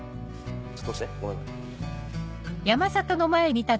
ちょっと通してごめん。